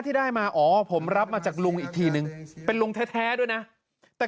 ที่ได้มาอ๋อผมรับมาจากลุงอีกทีนึงเป็นลุงแท้ด้วยนะแต่